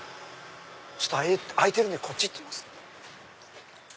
ちょっと開いてるんでこっち行ってみます。